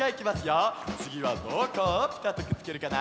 つぎはどこをぴたっとくっつけるかな？